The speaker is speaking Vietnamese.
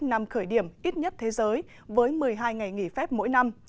năm khởi điểm ít nhất thế giới với một mươi hai ngày nghỉ phép mỗi năm